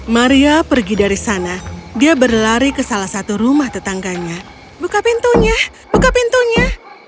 maria pergi dari sana dia berlari ke salah satu rumah tetangganya buka pintunya buka pintunya